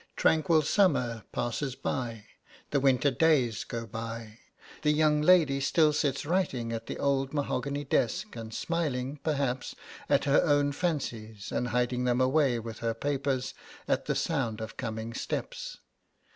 Tranquil summer passes by, the winter days go by; the young lady still sits writing at the old mahogany desk, and smiling, perhaps, at her own fancies, and hiding them away with her papers at the sound of coming steps.